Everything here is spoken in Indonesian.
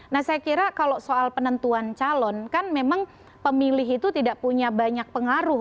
nah saya kira kalau soal penentuan calon kan memang pemilih itu tidak punya banyak pengaruh